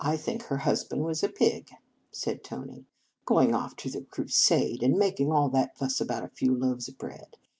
think her husband was a pig," said Tony. " Going off to the Crusade, and making all that fuss about a few loaves of bread.